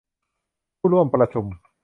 ผู้ร่วมประชุม